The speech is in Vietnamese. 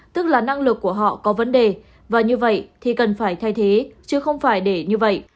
tức là năng lực của họ có vấn đề và như vậy thì cần phải thay thế chứ không phải để như vậy